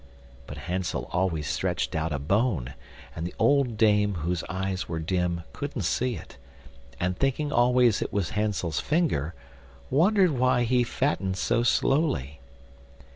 But Hansel always stretched out a bone, and the old dame, whose eyes were dim, couldn't see it, and thinking always it was Hansel's finger, wondered why he fattened so slowly.